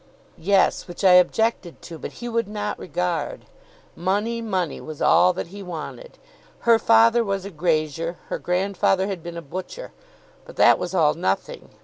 "Yes; which I objected to, but he would not regard. Money, money, was all that he wanted. Her father was a grazier, her grandfather had been a butcher, but that was all nothing.